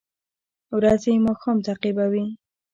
ورځې ماښام تعقیبوي